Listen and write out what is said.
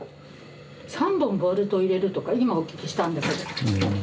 ３本ボルト入れるとか今お聞きしたんだけど。